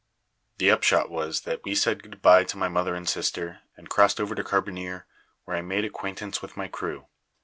"The upshot was that we said goodbye to my mother and sister, and crossed over to Carbonear, where I made acquaintance with my crew.